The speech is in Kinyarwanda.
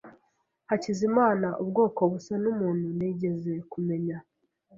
Hakizimana ubwoko busa numuntu nigeze kumenya.